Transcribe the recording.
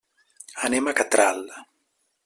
Anem a Catral.